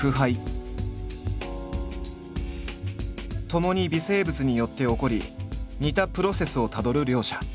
ともに微生物によって起こり似たプロセスをたどる両者。